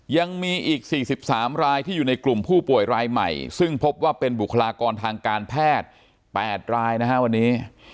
ยังมีอีก๔๓รายที่อยู่ในกลุ่มผู้ป่วยรายใหม่ซึ่งพบว่าเป็นบุคลากรทางการแพทย์๘รายนะฮะวันนี้